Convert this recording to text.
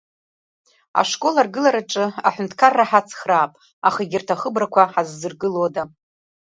Ашкол аргылараҿы аҳәынҭқарра ҳацхраап, аха егьырҭ ахыбрақәа ҳаззыргылода?